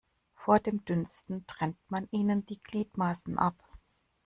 Vor dem Dünsten trennt man ihnen die Gliedmaßen ab.